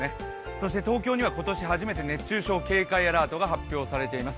そして東京には今年初めて熱中症警戒アラートを発表されています。